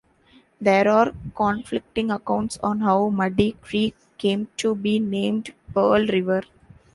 There are conflicting accounts on how Muddy Creek came to be named Pearl River.